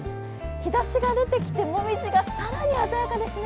日ざしが出てきて、紅葉が更に鮮やかですね。